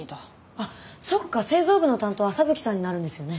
あっそっか製造部の担当麻吹さんになるんですよね。